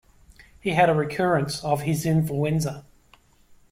He had a recurrence of his influenza.